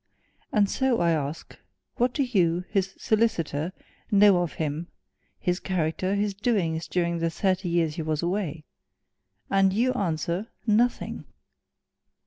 And so I ask, What do you, his solicitor, know of him his character, his doings during the thirty years he was away? And you answer nothing!"